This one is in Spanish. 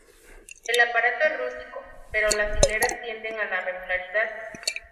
El aparato es rústico, pero las hileras tienden a la regularidad.